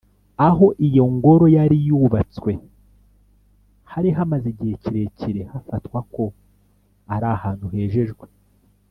aho iyi ngoro yai yubatswe hari hamaze igihe kirekire hafatwa ko ari ahantu hejejwe.